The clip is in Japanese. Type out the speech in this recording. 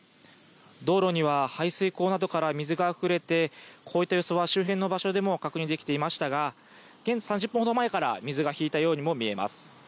道路には排水溝などから水があふれてこういった様子は周辺の場所でも確認できていましたが３０分ほど前から水が引いたようにも見えます。